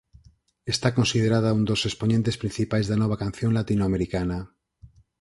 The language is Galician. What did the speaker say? Está considerada un dos expoñentes principais da nova canción latinoamericana.